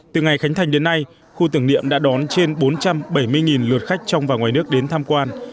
từ ngày khánh thành đến nay khu tưởng niệm đã đón trên bốn trăm bảy mươi lượt khách trong và ngoài nước đến tham quan